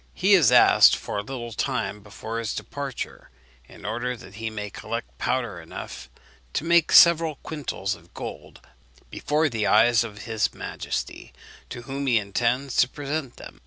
He has asked for a little time before his departure, in order that he may collect powder enough to make several quintals of gold before the eyes of his majesty, to whom he intends to present them.